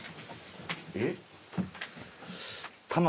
えっ？